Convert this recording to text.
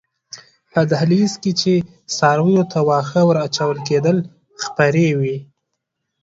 په دهلېز کې چې څارویو ته واښه ور اچول کېدل خپرې وې.